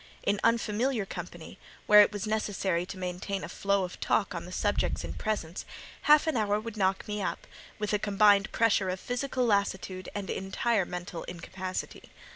In unfamiliar company, where it was necessary to maintain a flow of talk on the subjects in presence, half an hour would knock me up, with a combined pressure of physical lassitude and entire mental incapacity.